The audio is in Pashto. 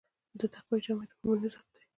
د تقوی جامه د مؤمن عزت دی.